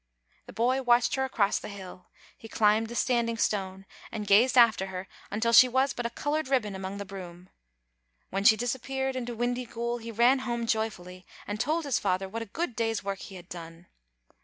The boy watched her across the hill. He climbed the Standing Stone and gazed Digitized by VjOOQ IC tie TTbe %imc Afntoten after her until she was but a coloured ribbon among the broom. When she disappeared into Windyghoul he ran home joyfully, and told his father what a good day'd work he had done.